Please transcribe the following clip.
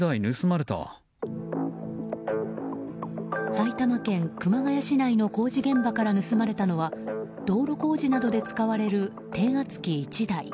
埼玉県熊谷市内の工事現場から盗まれたのは道路工事などで使われる転圧機１台。